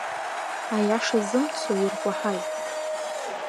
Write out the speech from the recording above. Аиаша зымцо иркәаҳаит.